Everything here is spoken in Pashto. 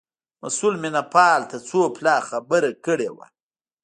مسئول مینه پال ته څو پلا خبره کړې وه.